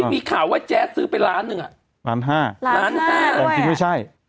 มีข่าวว่าแจ๊สซื้อไปล้านหนึ่งอ่ะล้านห้าล้านห้าของจริงไม่ใช่